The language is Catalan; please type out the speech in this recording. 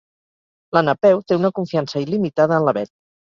La Napeu té una confiança il·limitada en la Bet.